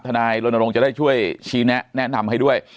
ทนายลนทรงจ์จะได้ช่วยชี้แนะแนะนำให้ด้วย